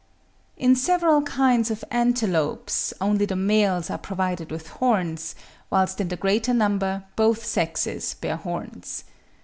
In several kinds of antelopes, only the males are provided with horns, whilst in the greater number both sexes bear horns.